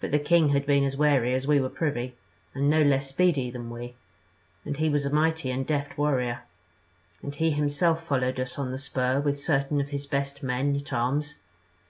But the king had been as wary as we were privy, and no less speedy than we; and he was a mighty and deft warrior, and he himself followed us on the spur with certain of his best men at arms.